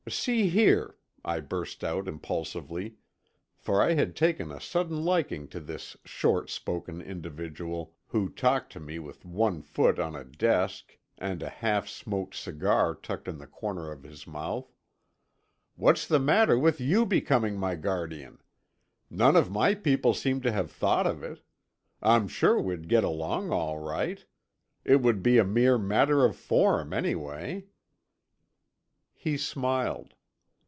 "See here," I burst out impulsively, for I had taken a sudden liking to this short spoken individual who talked to me with one foot on a desk and a half smoked cigar tucked in the corner of his mouth, "what's the matter with you becoming my guardian? None of my people seem to have thought of it. I'm sure we'd get along all right. It would be a mere matter of form, anyway." He smiled.